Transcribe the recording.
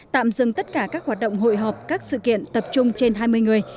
tạm dừng tất cả các hoạt động hội họp các sự kiện tập trung trên hai mươi người